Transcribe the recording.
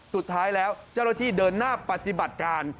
สุดท้ายแล้วเจ้าหน้าที่เดินหน้าปฏิบัติการ